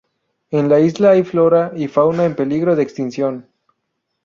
En la isla hay flora y fauna en peligro de extinción.